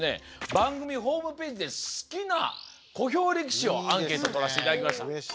番組ホームページで好きな小兵力士をアンケートとらせて頂きました。